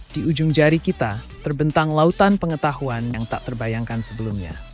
di ujung jari kita terbentang lautan pengetahuan yang tak terbayangkan sebelumnya